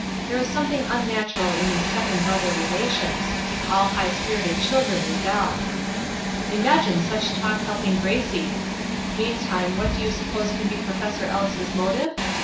There is something unnatural in these second mother relations; all high spirited children rebel.' Imagine such talk helping Gracie! Meantime, what do you suppose can be Prof. Ellis' motive?